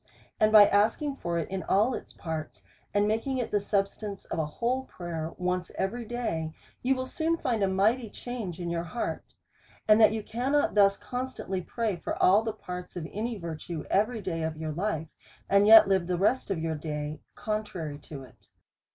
And by asking for it in all its parts^ and making it the substance of a whole prayer once every day, you will soon find a mighty change in your heart; and that you cannot thus constantly pray for all the parts of any virtue every day of your life, and yet live the rest of the day contrary to it.